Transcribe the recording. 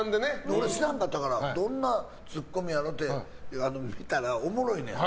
知らんかったからどんなツッコミやろって見たらおもろいねん。